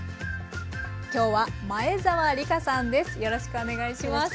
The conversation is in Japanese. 今日は前沢リカさんです。